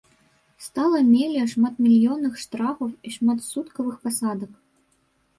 Стала меней шматмільённых штрафаў і шматсуткавых пасадак.